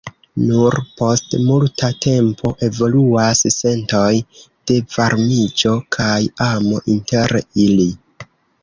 Nur post multa tempo evoluas sentoj de varmiĝo kaj amo inter ili.